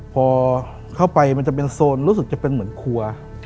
พอเข้าไปมันจะเป็นโซนรู้สึกจะเป็นเหมือนครัว